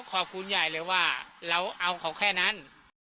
ขอบคุณใหญ่เลยว่าเราเอาเขาแค่นั้น